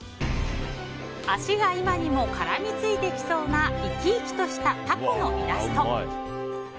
足が今にも絡みついてきそうな生き生きとしたタコのイラスト。